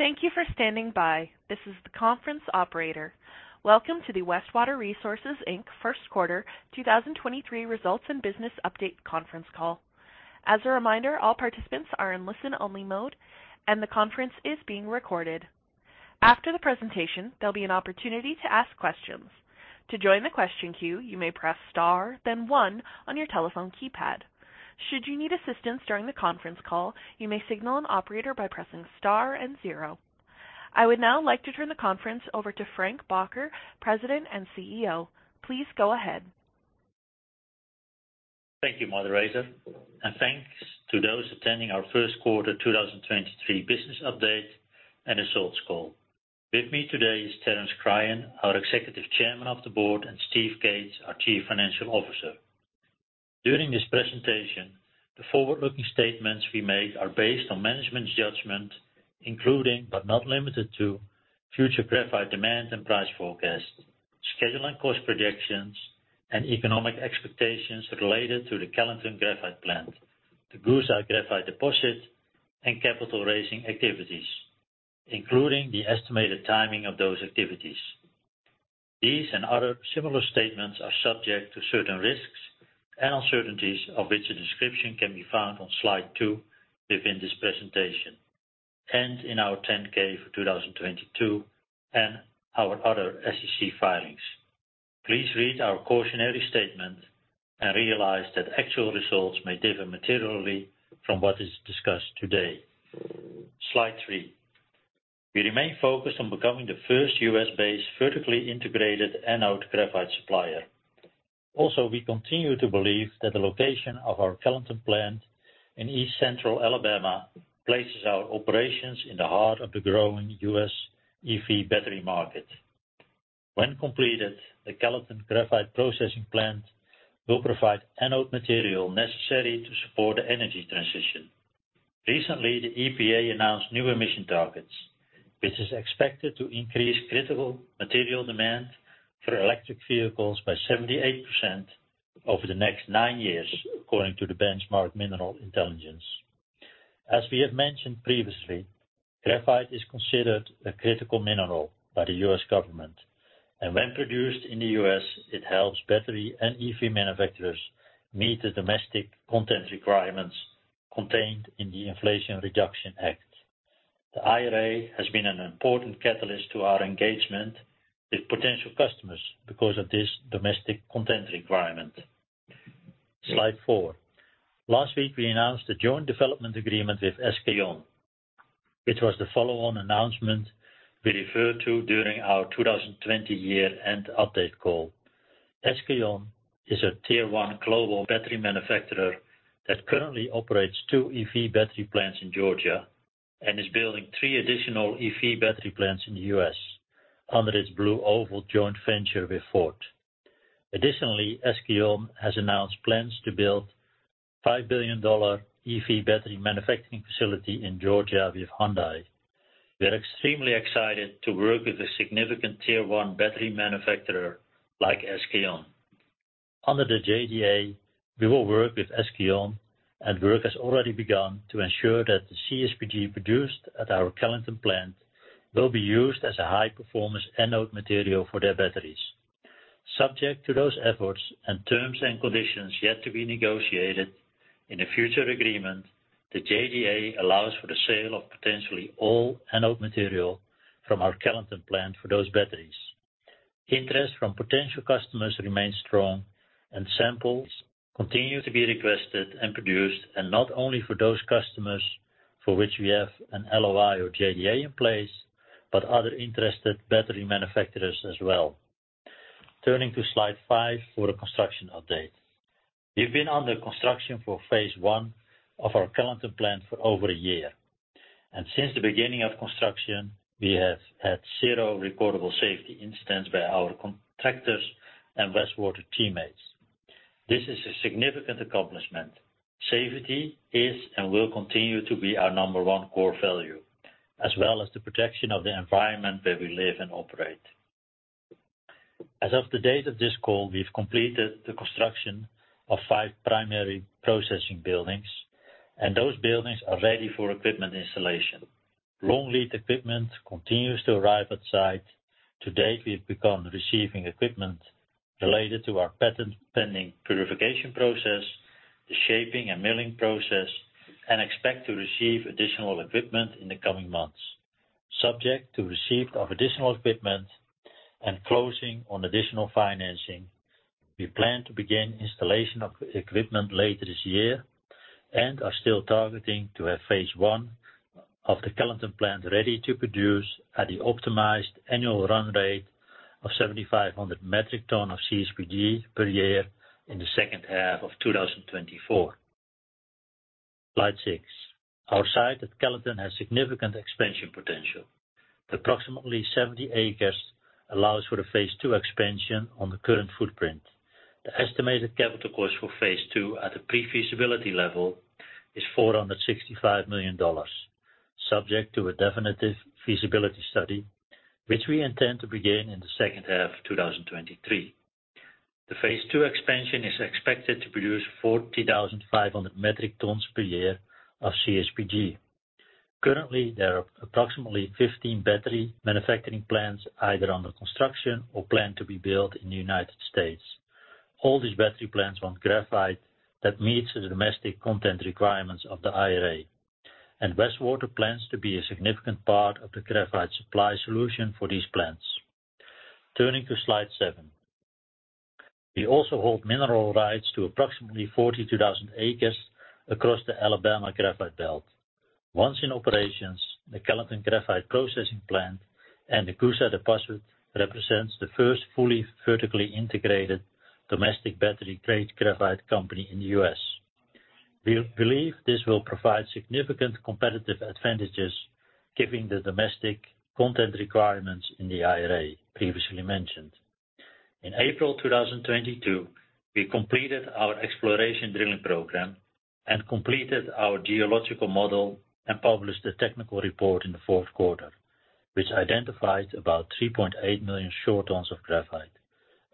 Thank you for standing by. This is the conference operator. Welcome to the Westwater Resources, Inc. first quarter 2023 results and business update conference call. As a reminder, all participants are in listen-only mode, and the conference is being recorded. After the presentation, there'll be an opportunity to ask questions. To join the question queue, you may press Star, then one on your telephone keypad. Should you need assistance during the conference call, you may signal an operator by pressing Star and zero. I would now like to turn the conference over to Frank Bakker, President and CEO. Please go ahead. Thank you, Operator, and thanks to those attending our first quarter 2023 business update and results call. With me today is Terence Cryan, our Executive Chairman of the Board, and Steve Cates, our Chief Financial Officer. During this presentation, the forward-looking statements we make are based on management's judgment, including, but not limited to, future graphite demand and price forecasts, schedule and cost projections, and economic expectations related to the Kellyton Graphite Plant, the Coosa Graphite Deposit, and capital raising activities, including the estimated timing of those activities. These and other similar statements are subject to certain risks and uncertainties of which a description can be found on slide two within this presentation and in our 10-K for 2022 and our other SEC filings. Please read our cautionary statement and realize that actual results may differ materially from what is discussed today. Slide three. We remain focused on becoming the first U.S.-based vertically integrated anode graphite supplier. We continue to believe that the location of our Kellyton plant in east-central Alabama places our operations in the heart of the growing U.S. EV battery market. When completed, the Kellyton Graphite Processing Plant will provide anode material necessary to support the energy transition. Recently, the EPA announced new emission targets, which is expected to increase critical material demand for electric vehicles by 78% over the next nine years, according to Benchmark Mineral Intelligence. As we have mentioned previously, graphite is considered a critical mineral by the U.S. government, when produced in the U.S., it helps battery and EV manufacturers meet the domestic content requirements contained in the Inflation Reduction Act. The IRA has been an important catalyst to our engagement with potential customers because of this domestic content requirement. Slide four Last week, we announced a joint development agreement with SK On. It was the follow-on announcement we referred to during our 2020 year-end update call. SK On is a tier one global battery manufacturer that currently operates two EV battery plants in Georgia and is building three additional EV battery plants in the U.S. under its BlueOval SK joint venture with Ford. Additionally, SK On has announced plans to build a $5 billion EV battery manufacturing facility in Georgia with Hyundai. We are extremely excited to work with a significant tier one battery manufacturer like SK On. Under the JDA, we will work with SK On, and work has already begun to ensure that the CSPG produced at our Kellyton plant will be used as a high-performance anode material for their batteries. Subject to those efforts and terms and conditions yet to be negotiated in a future agreement, the JDA allows for the sale of potentially all anode material from our Kellyton plant for those batteries. Not only for those customers for which we have an LOI or JDA in place, but other interested battery manufacturers as well. Turning to slide five for the construction update. We've been under construction for phase I of our Kellyton plant for over a year. Since the beginning of construction, we have had zero recordable safety incidents by our contractors and Westwater Resources teammates. This is a significant accomplishment. Safety is and will continue to be our number one core value, as well as the protection of the environment where we live and operate. As of the date of this call, we've completed the construction of five primary processing buildings, and those buildings are ready for equipment installation. Long lead equipment continues to arrive at site. To-date, we've begun receiving equipment related to our patent pending purification process, the shaping and milling process, and expect to receive additional equipment in the coming months. Subject to receipt of additional equipment and closing on additional financing, we plan to begin installation of equipment later this year and are still targeting to have phase I of the Kellyton plant ready to produce at the optimized annual run rate of 7,500 metric ton of CSPG per year in the second half of 2024. Slide six. Our site at Kellyton has significant expansion potential. The approximately 70 acres allows for a phase II expansion on the current footprint. The estimated capital cost for phase II at a pre-feasibility level is $465 million, subject to a definitive feasibility study, which we intend to begin in the second half of 2023. The phase II expansion is expected to produce 40,500 metric tons per year of CSPG. Currently, there are approximately 15 battery manufacturing plants either under construction or planned to be built in the United States. All these battery plants want graphite that meets the domestic content requirements of the IRA. Westwater plans to be a significant part of the graphite supply solution for these plants. Turning to slide seven. We also hold mineral rights to approximately 42,000 acres across the Alabama Graphite Belt. Once in operations, the Kellyton Graphite Processing Plant and the Coosa deposit represents the first fully vertically integrated domestic battery-grade graphite company in the U.S. We believe this will provide significant competitive advantages giving the domestic content requirements in the IRA previously mentioned. In April 2022, we completed our exploration drilling program and completed our geological model and published a technical report in the fourth quarter, which identified about 3.8 million short tons of graphite,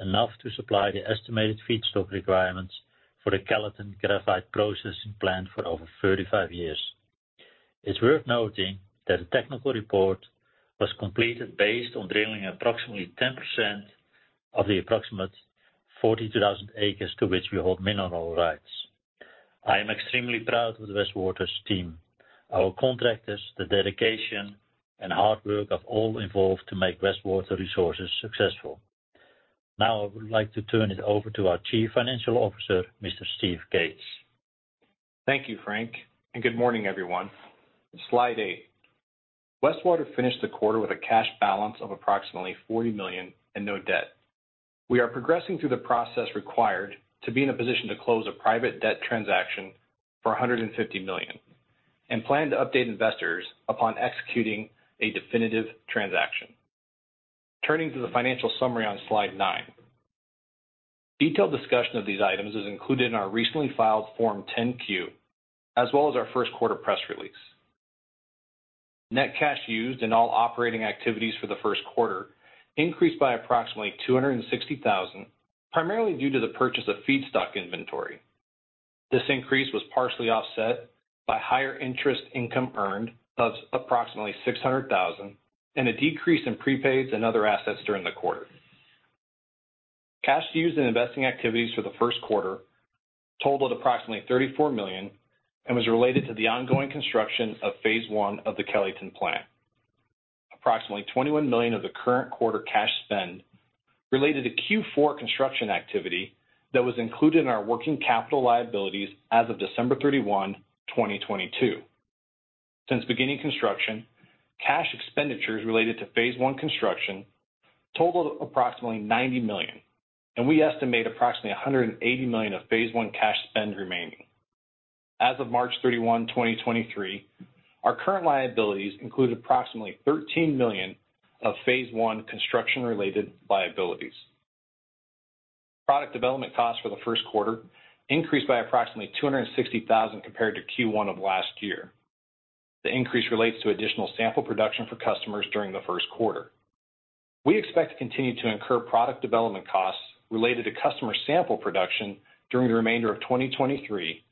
enough to supply the estimated feedstock requirements for the Kellyton Graphite Processing Plant for over 35 years. It's worth noting that the technical report was completed based on drilling approximately 10% of the approximate 42,000 acres to which we hold mineral rights. I am extremely proud of Westwater's team, our contractors, the dedication, and hard work of all involved to make Westwater Resources successful. I would like to turn it over to our Chief Financial Officer, Mr. Steve Cates. Thank you, Frank. Good morning, everyone. Slide eight. Westwater finished the quarter with a cash balance of approximately $40 million and no debt. We are progressing through the process required to be in a position to close a private debt transaction for $150 million and plan to update investors upon executing a definitive transaction. Turning to the financial summary on slide nine. Detailed discussion of these items is included in our recently filed Form 10-Q, as well as our first quarter press release. Net cash used in all operating activities for the first quarter increased by approximately $260 thousand, primarily due to the purchase of feedstock inventory. This increase was partially offset by higher interest income earned of approximately $600 thousand and a decrease in prepaids and other assets during the quarter. Cash used in investing activities for the first quarter totaled approximately $34 million and was related to the ongoing construction of phase I of the Kellyton Plant. Approximately $21 million of the current quarter cash spend related to Q4 construction activity that was included in our working capital liabilities as of December 31, 2022. Since beginning construction, cash expenditures related to phase I construction totaled approximately $90 million, and we estimate approximately $180 million of phase I cash spend remaining. As of March 31, 2023, our current liabilities include approximately $13 million of phase I construction-related liabilities. Product development costs for the first quarter increased by approximately $260,000 compared to Q1 of last year. The increase relates to additional sample production for customers during the first quarter. We expect to continue to incur product development costs related to customer sample production during the remainder of 2023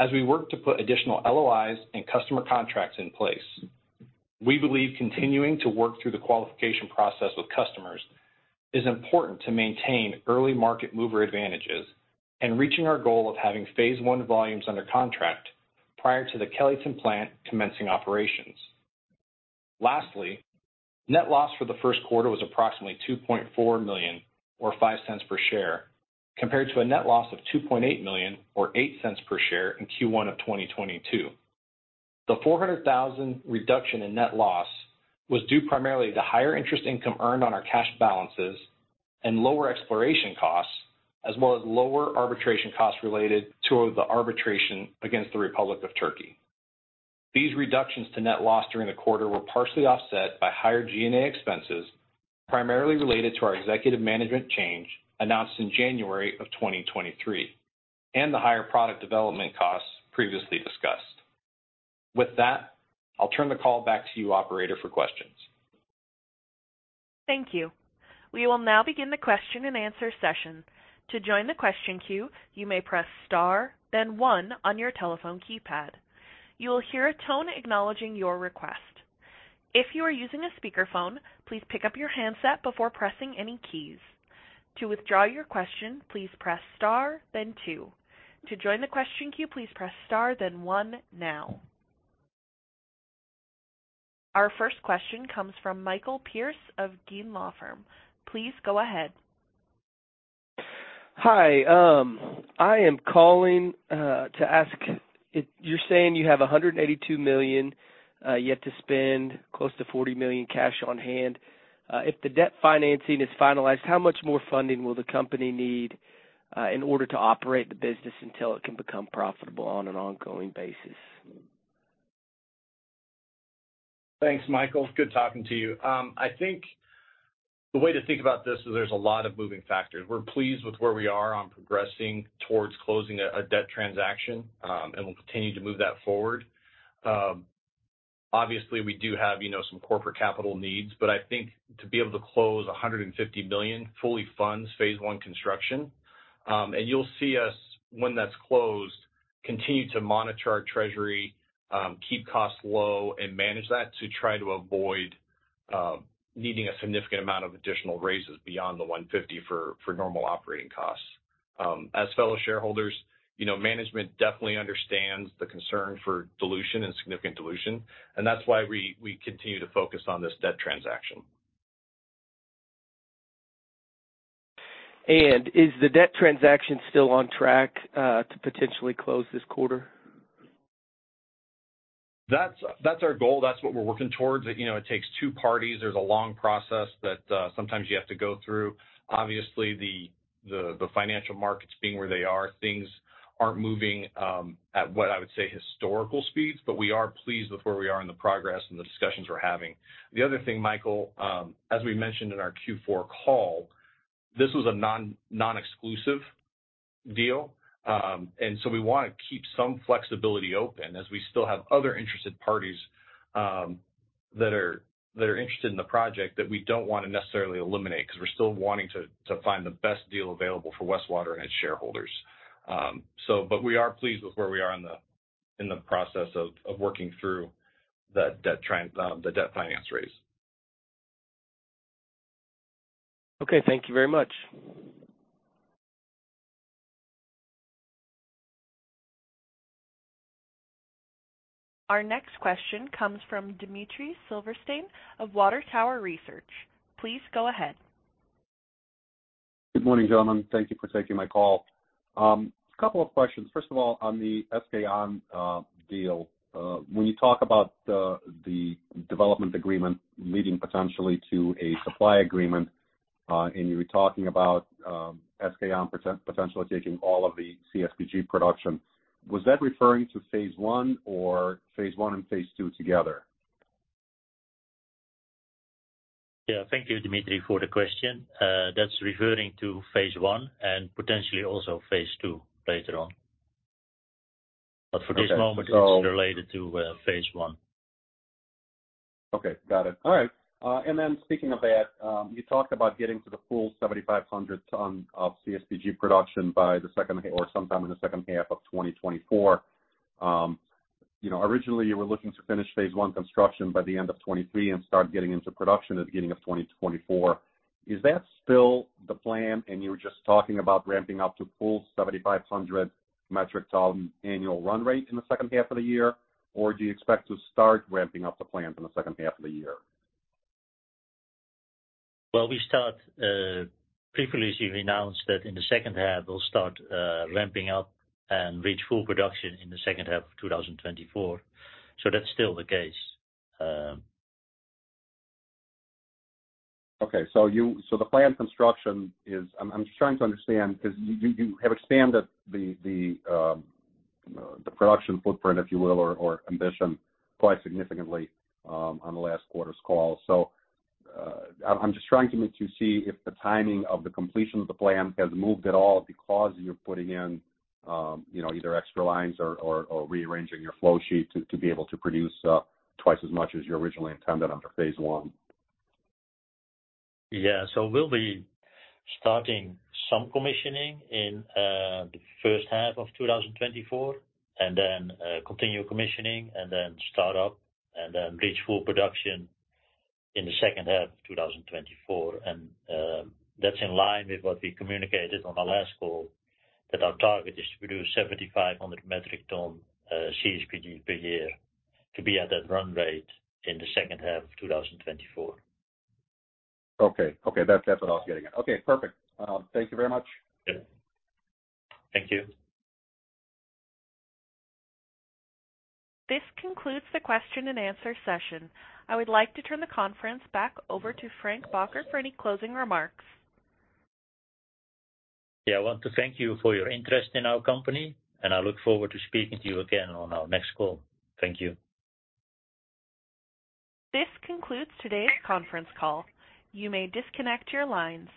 as we work to put additional LOIs and customer contracts in place. We believe continuing to work through the qualification process with customers is important to maintain early market mover advantages and reaching our goal of having phase I volumes under contract prior to the Kellyton plant commencing operations. Lastly, net loss for the first quarter was approximately $2.4 million or $0.05 per share, compared to a net loss of $2.8 million or $0.08 per share in Q1 of 2022. The $400,000 reduction in net loss was due primarily to higher interest income earned on our cash balances and lower exploration costs, as well as lower arbitration costs related to the arbitration against the Republic of Turkey. These reductions to net loss during the quarter were partially offset by higher G&A expenses, primarily related to our executive management change announced in January of 2023 and the higher product development costs previously discussed. With that, I'll turn the call back to you, operator, for questions. Thank you. We will now begin the question and answer session. To join the question queue, you may press star then one on your telephone keypad. You will hear a tone acknowledging your request. If you are using a speakerphone, please pick up your handset before pressing any keys. To withdraw your question, please press star then 2. To join the question queue, please press star then 1 now. Our first question comes from Michael Pearce of Gheen Law Firm. Please go ahead. Hi, I am calling to ask if you're saying you have $182 million yet to spend close to $40 million cash on hand. If the debt financing is finalized, how much more funding will the company need in order to operate the business until it can become profitable on an ongoing basis? Thanks, Michael. Good talking to you. I think the way to think about this is there's a lot of moving factors. We're pleased with where we are on progressing towards closing a debt transaction, we'll continue to move that forward. Obviously, we do have, you know, some corporate capital needs, but I think to be able to close $150 million fully funds phase I construction. You'll see us, when that's closed, continue to monitor our treasury, keep costs low, and manage that to try to avoid needing a significant amount of additional raises beyond the $150 for normal operating costs. As fellow shareholders, you know, management definitely understands the concern for dilution and significant dilution, that's why we continue to focus on this debt transaction. Is the debt transaction still on track, to potentially close this quarter? That's our goal. That's what we're working towards. You know, it takes two parties. There's a long process that sometimes you have to go through. Obviously, the financial markets being where they are, things aren't moving at what I would say historical speeds, but we are pleased with where we are in the progress and the discussions we're having. The other thing, Michael, as we mentioned in our Q4 call, this was a non-exclusive deal. We wanna keep some flexibility open as we still have other interested parties that are interested in the project that we don't wanna necessarily eliminate because we're still wanting to find the best deal available for Westwater and its shareholders. We are pleased with where we are in the process of working through the debt finance raise. Okay, thank you very much. Our next question comes from Dmitry Silversteyn of Water Tower Research. Please go ahead. Good morning, gentlemen. Thank you for taking my call. A couple of questions. First of all, on the SK On deal, when you talk about the development agreement leading potentially to a supply agreement, and you were talking about SK On potentially taking all of the CSPG production, was that referring to phase I or phase I and phase II together? Yeah. Thank you, Dmitry, for the question. That's referring to phase I and potentially also phase II later on. Okay. For this moment, it's related to phase I. Okay. Got it. All right. Speaking of that, you talked about getting to the full 7,500 ton of CSPG production by sometime in the second half of 2024. You know, originally, you were looking to finish phase I construction by the end of 2023 and start getting into production at the beginning of 2024. Is that still the plan and you were just talking about ramping up to full 7,500 metric ton annual run rate in the second half of the year? Or do you expect to start ramping up the plant in the second half of the year? Well, we start previously we announced that in the second half, we'll start ramping up and reach full production in the second half of 2024. That's still the case. Okay. The plant construction is I'm just trying to understand because you have expanded the production footprint, if you will, or ambition quite significantly on the last quarter's call. I'm just trying to make you see if the timing of the completion of the plan has moved at all because you're putting in, you know, either extra lines or rearranging your flow sheet to be able to produce twice as much as you originally intended under phase I. Yeah. We'll be starting some commissioning in the first half of 2024 and then continue commissioning and then start up and then reach full production in the second half of 2024. That's in line with what we communicated on our last call, that our target is to produce 7,500 metric ton CSPG per year to be at that run-rate in the second half of 2024. Okay. That's what I was getting at. Okay, perfect. Thank you very much. Yeah. Thank you. This concludes the question-and-answer session. I would like to turn the conference back over to Frank Bakker for any closing remarks. Yeah. I want to thank you for your interest in our company, and I look forward to speaking to you again on our next call. Thank you. This concludes today's conference call. You may disconnect your lines.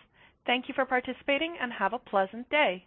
Thank you for participating, and have a pleasant day.